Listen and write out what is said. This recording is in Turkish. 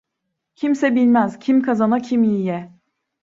Kimse bilmez, kim kazana kim yiye.